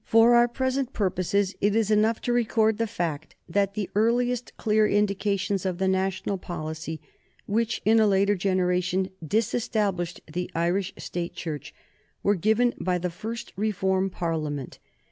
For our present purposes it is enough to record the fact that the earliest clear indications of the national policy, which in a later generation disestablished the Irish State Church, were given by the first Reform Parliament.